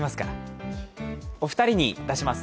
お二人に出します。